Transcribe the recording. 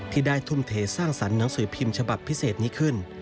ที่ได้ทุ่มเทสร้างสรรค์หนังสือพิมพ์ฉบับพิเศษนี้ขึ้น